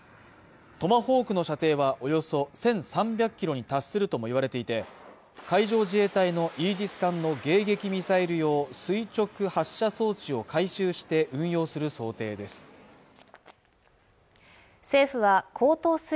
トマホークの射程はおよそ１３００キロに達するともいわれていて海上自衛隊のイージス艦の迎撃ミサイル用垂直発射装置を改修して運用する想定です